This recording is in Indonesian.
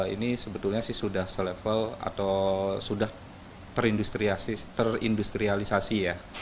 ini sebetulnya sih sudah selevel atau sudah terindustrialisasi ya